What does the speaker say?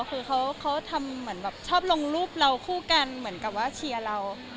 คือเขาทำเหมือนแบบชอบลงรูปเราคู่กันเหมือนกับว่าเชียร์เรา